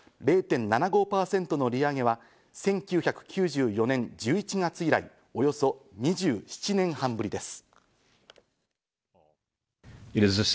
０．７５％の利上げは１９９４年１１月以来、およそ２７年半ぶりです。